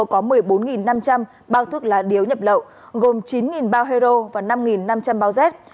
có một mươi bốn năm trăm linh bao thuốc lá điếu nhập lậu gồm chín bao hero và năm năm trăm linh bao jet